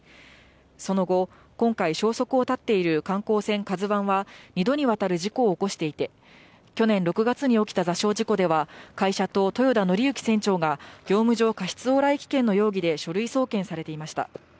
その後、今回、消息を絶っている観光船カズワンは、２度にわたる事故を起こしていて、去年６月に起きた座礁事故では、会社と豊田徳幸船長が、業務上過失往来危険の容疑で書類送検されていました。